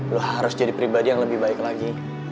lo harus jadi pribadi yang lebih baik lagi